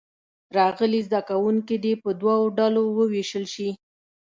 راغلي زده کوونکي دې په دوو ډلو ووېشل شي.